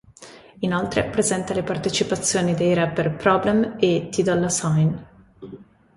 Inoltre presenta le partecipazioni dei rapper Problem e Ty Dolla $ign.